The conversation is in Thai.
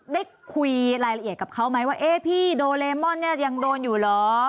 ได้คุยรายละเอียดกับเขาไหมว่าเอ๊ะพี่โดเลมอนเนี่ยยังโดนอยู่เหรอ